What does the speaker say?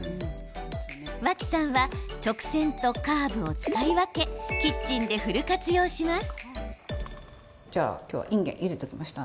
脇さんは直線とカーブを使い分けキッチンでフル活用します。